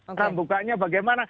nah bukanya bagaimana